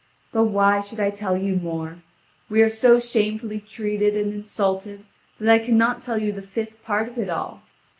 But why should I tell you more? We are so shamefully treated and insulted that I cannot tell you the fifth part of it all.